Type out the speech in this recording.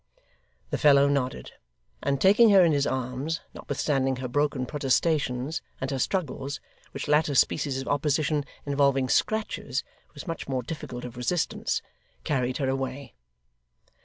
The fellow nodded; and taking her in his arms, notwithstanding her broken protestations, and her struggles (which latter species of opposition, involving scratches, was much more difficult of resistance), carried her away.